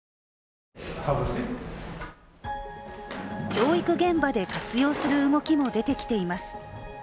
教育現場で活用する動きも出てきています。